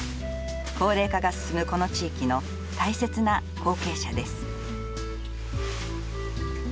高齢化が進むこの地域の大切な後継者です。